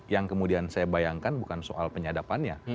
yang kemudian saya bayangkan bukan soal penyadapannya